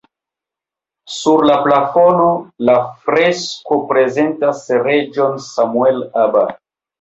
Sur la plafono la fresko prezentas reĝon Samuel Aba.